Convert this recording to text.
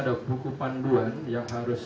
ada buku panduan yang harus